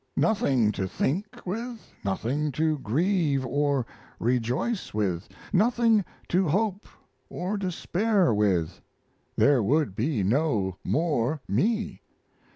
Nothing to think with, nothing to grieve or rejoice with, nothing to hope or despair with. There would be no more me.